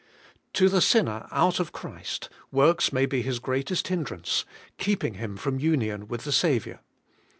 To the sinner out of Christ, works may be his greatest hindrance, keeping him from the union with the Saviour.